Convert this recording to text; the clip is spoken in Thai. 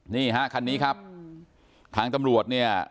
นี่ฮะคันนี้ครับทางตำรวจเนี่ย